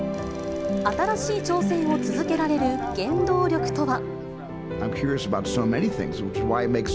新しい挑戦を続けられる原動力とは。